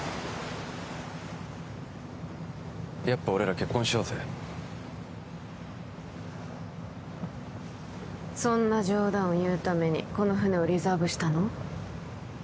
やっぱ俺ら結婚しようぜそんな冗談を言うためにこの船をリザーブしたの？